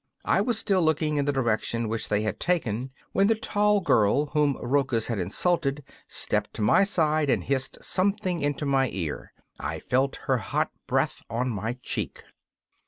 I was still looking in the direction which they had taken, when the tall girl whom Rochus had insulted stepped to my side and hissed something into my ear. I felt her hot breath on my cheek.